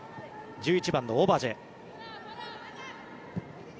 １１番のオバジェ。